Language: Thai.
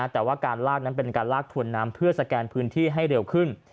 แต่ว่าการลากนั้นเป็นการลากถวนน้ำเพื่อสแกนพื้นที่ให้เร็วขึ้น